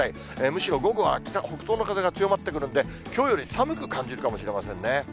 むしろ午後は北東の風が強まってくるので、きょうより寒く感じるかもしれませんね。